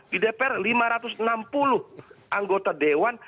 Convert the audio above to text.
di dpr lima ratus enam puluh anggota dewan